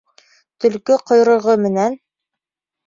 Төлкө ҡойроғо менән